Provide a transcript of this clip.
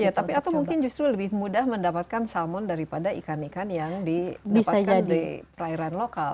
iya tapi atau mungkin justru lebih mudah mendapatkan salmon daripada ikan ikan yang didapatkan di perairan lokal